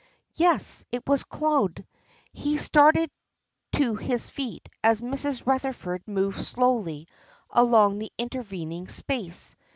Yes, it was Claude! He started to his feet as Mrs. Rutherford moved slowly along the intervening space.